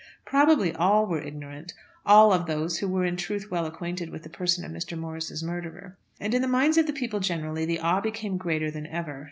Probably all were ignorant, all of those who were in truth well acquainted with the person of Mr. Morris' murderer. And in the minds of the people generally the awe became greater than ever.